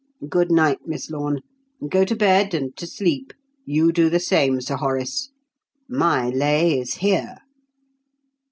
Good night, Miss Lorne. Go to bed and to sleep you do the same, Sir Horace. My lay is here!"